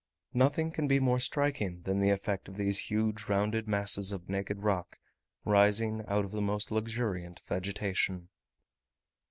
Nothing can be more striking than the effect of these huge rounded masses of naked rock rising out of the most luxuriant vegetation.